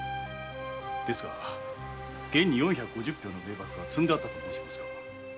ですが現に四百五十俵の米麦が積んであったと申しますが？